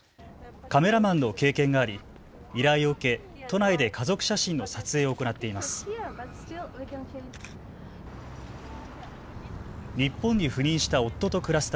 カメラマンの経験があり依頼を受け都内で家族写真の撮影を行っています。